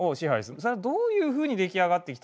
それはどういうふうに出来上がってきたのか。